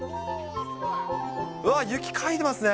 うわー、雪かいてますね。